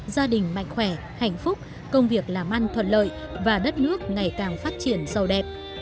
gia đình mạnh khỏe hạnh phúc công việc làm ăn thuận lợi và đất nước ngày càng phát triển sâu đẹp